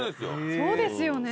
そうですよ。